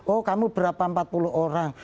oh kamu berapa empat puluh orang